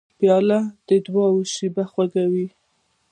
پیاله د دعاو شېبې خوږوي.